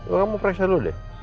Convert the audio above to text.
uang kamu preksa dulu deh